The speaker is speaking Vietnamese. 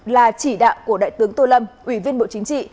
là chỉ đạo của đại tướng tô lâm ủy viên bộ chính trị